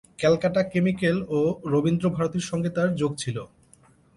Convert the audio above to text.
Calcutta chemical ও রবীন্দ্রভারতী সঙ্গে তার যোগ ছিল।